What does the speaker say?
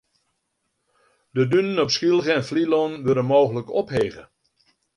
De dunen op Skylge en Flylân wurde mooglik ophege.